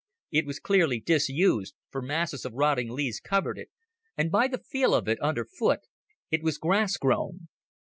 It was clearly disused, for masses of rotting leaves covered it, and by the feel of it underfoot it was grass grown.